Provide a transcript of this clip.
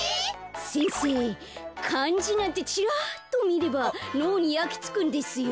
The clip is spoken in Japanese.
先生かんじなんてチラッとみればのうにやきつくんですよ。